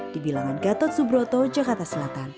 dibilangan gatot subroto jakarta selatan